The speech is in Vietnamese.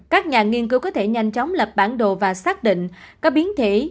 các nhà nghiên cứu có thể nhanh chóng lập bản đồ và xác định có biến thể